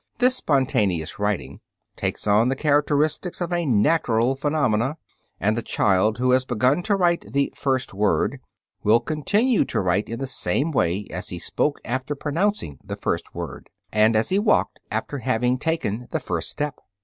This spontaneous writing takes on the characteristics of a natural phenomenon, and the child who has begun to write the "first word" will continue to write in the same way as he spoke after pronouncing the first word, and as he walked after having taken the first step.